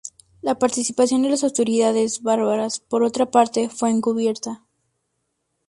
La participación de las autoridades bávaras, por otra parte, fue encubierta.